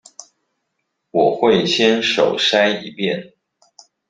我會先手篩一遍